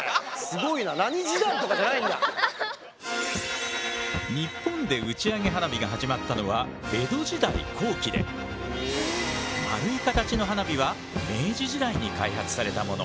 すごいな日本で打ち上げ花火が始まったのは江戸時代後期で丸い形の花火は明治時代に開発されたもの。